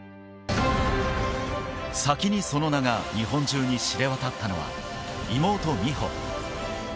先にその名が日本中に知れ渡ったのは妹・美帆。